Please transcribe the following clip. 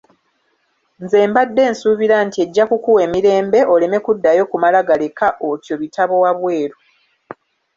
Nze mbadde nsuubira nti ejja kukuwa emirembe oleme kuddayo kumala galeka otyo bitabo wabweru